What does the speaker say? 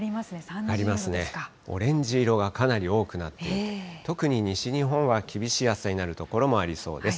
上がりますね、オレンジ色がかなり多くなっていて、特に西日本は厳しい暑さになる所もありそうです。